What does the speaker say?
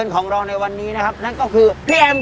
ครับผม